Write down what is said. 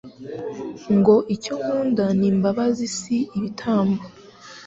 ngo icyo nkunda ni imbabazi si ibitambo."